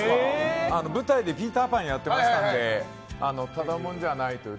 舞台で「ピーターパン」やってましたのでただものじゃないという。